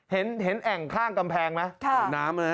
เห็นแอ่งข้างกำแพงไหมน้ำ